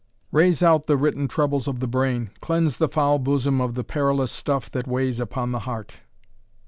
Raze out the written troubles of the brain, Cleanse the foul bosom of the perilous stuff That weighs upon the heart.